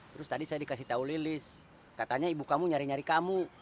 terus tadi saya dikasih tahu lilis katanya ibu kamu nyari nyari kamu